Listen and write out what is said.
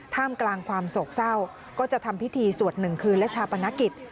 ท่ามกลางความโศกเศร้าก็จะทำพิธีสวด๑คืนและชาปนกิจ